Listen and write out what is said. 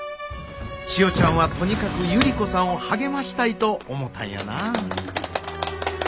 千代ちゃんはとにかく百合子さんを励ましたいと思たんやなあ。